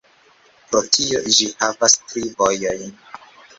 Pro tio, ĝi havas tri vojojn.